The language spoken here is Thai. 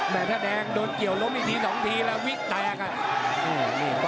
แม่ท่าแดงโดนเกี่ยวล้มอีกที๒ทีแล้ววิดแดงอะ